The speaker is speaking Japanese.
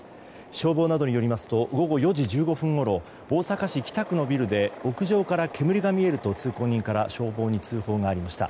消防などによりますと午後４時１５分ごろ大阪市北区のビルで屋上から煙が見えると通行人から消防に通報がありました。